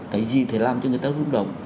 cái gì sẽ làm cho người ta rung động